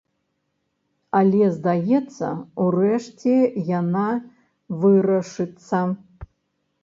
Але здаецца, урэшце яна вырашыцца.